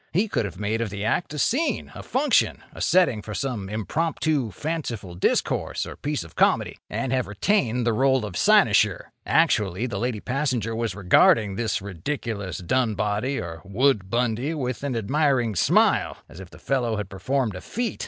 He could have made of the act a scene, a function, a setting for some impromptu, fanciful discourse or piece of comedy—and have retained the role of cynosure. Actually, the lady passenger was regarding this ridiculous Dunboddy or Woodbundy with an admiring smile, as if the fellow had performed a feat!